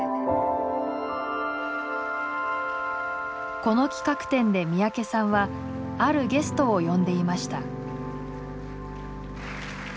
この企画展で三宅さんはあるゲストを呼んでいました。